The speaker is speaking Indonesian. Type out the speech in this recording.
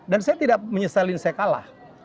dan saya tidak menyesalin saya kalah